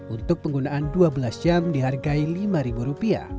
untuk penggunaan dua belas jam dihargai rp lima